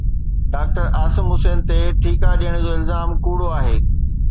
doctor Asim Hussain تي ٺيڪا ڏيڻ جو الزام ڪوڙو آهي